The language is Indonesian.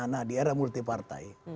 nah di era multi partai